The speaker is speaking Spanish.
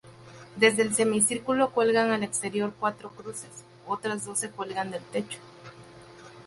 Desde el semicírculo cuelgan al exterior cuatro cruces, otras doce cuelgan del techo.